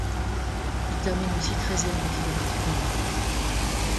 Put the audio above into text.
Il termine aussi treizième du kilomètre hommes.